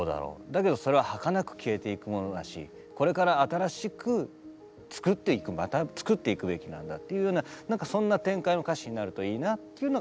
だけどそれは儚く消えていくものだしこれから新しく作っていくまた作っていくべきなんだというような何かそんな展開の歌詞になるといいなというのがあったんですね。